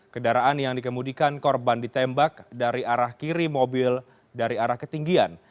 kendaraan yang dikemudikan korban ditembak dari arah kiri mobil dari arah ketinggian